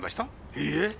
いいえ。